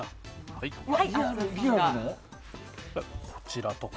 こちらとか。